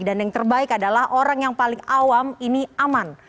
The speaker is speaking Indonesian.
dan yang terbaik adalah orang yang paling awam ini aman